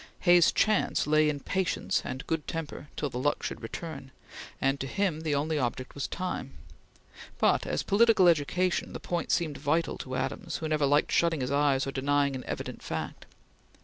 Hay's chance lay in patience and good temper till the luck should turn, and to him the only object was time; but as political education the point seemed vital to Adams, who never liked shutting his eyes or denying an evident fact.